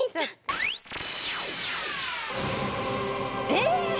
えっ！？